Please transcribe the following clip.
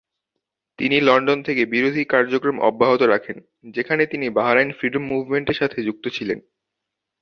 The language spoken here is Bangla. তিনি লন্ডন থেকে বিরোধী কার্যক্রম অব্যাহত রাখেন, যেখানে তিনি বাহরাইন ফ্রিডম মুভমেন্ট এর সাথে যুক্ত ছিলেন।